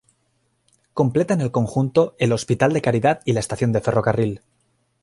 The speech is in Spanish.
Completan el conjunto el Hospital de Caridad y la estación de ferrocarril.